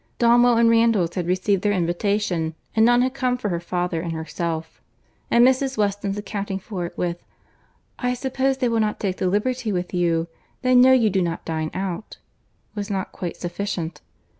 Donwell and Randalls had received their invitation, and none had come for her father and herself; and Mrs. Weston's accounting for it with "I suppose they will not take the liberty with you; they know you do not dine out," was not quite sufficient.